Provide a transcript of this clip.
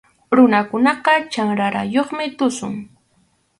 Runakunaqa chanrarayuqmi tusun.